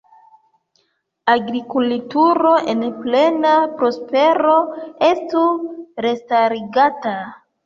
Agrikulturo en plena prospero estu restarigata.